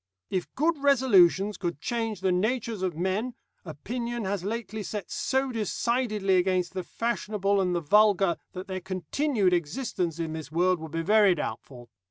If good resolutions could change the natures of men, opinion has lately set so decidedly against the fashionable and the vulgar that their continued existence in this world would be very doubtful.